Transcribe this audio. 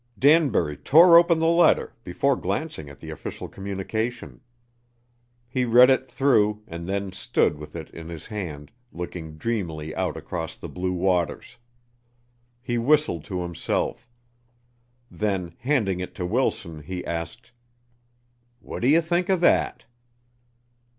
Danbury tore open the letter before glancing at the official communication. He read it through and then stood with it in his hand looking dreamily out across the blue waters. He whistled to himself. Then handing it to Wilson, he asked, "What do you think of that?"